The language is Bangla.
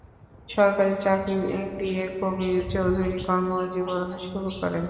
সরকারি চাকুরি দিয়ে কবীর চৌধুরী কর্মজীবন শুরু করেন।